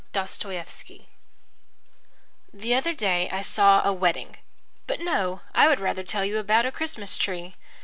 DOSTOYEVSKY The other day I saw a wedding... But no! I would rather tell you about a Christmas tree.